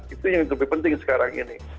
itu yang lebih penting sekarang ini